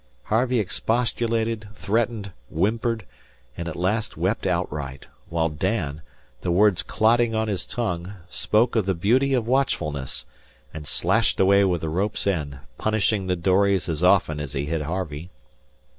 Harvey expostulated, threatened, whimpered, and at last wept outright, while Dan, the words clotting on his tongue, spoke of the beauty of watchfulness and slashed away with the rope's end, punishing the dories as often as he hit Harvey.